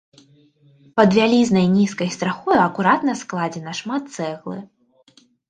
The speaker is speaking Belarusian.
Пад вялізнай нізкай страхою акуратна складзена шмат цэглы.